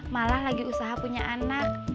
malah lagi usaha punya anak